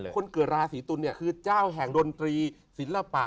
คนเกิดราศีตุลเนี่ยคือเจ้าแห่งดนตรีศิลปะ